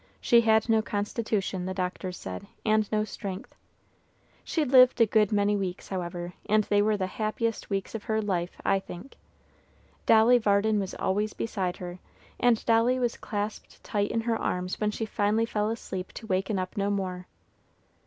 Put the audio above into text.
She had no constitution, the doctors said, and no strength. She lived a good many weeks, however, and they were the happiest weeks of her life, I think. Dolly Varden was always beside her, and Dolly was clasped tight in her arms when she finally fell asleep to waken up no more.